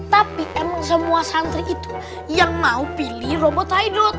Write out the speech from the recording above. tapi emang semua santri itu yang mau pilih robot hidut